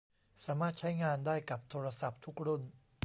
สามารถใช้งานได้กับโทรศัพท์ทุกรุ่น